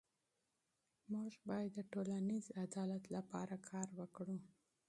موږ باید د ټولنیز عدالت لپاره کار وکړو.